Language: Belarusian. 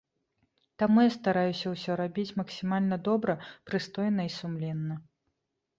Таму я стараюся ўсё рабіць максімальна добра, прыстойна і сумленна.